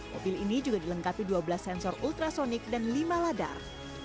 mobil ini juga dilengkapi dua belas sensor ultrasonic dan lima ladar